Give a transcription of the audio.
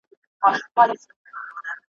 بیا به موسم سي د سروغوټیو ,